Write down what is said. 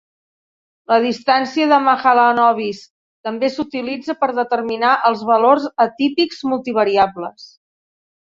La distància de Mahalanobis també s'utilitza per determinar els valors atípics multivariables.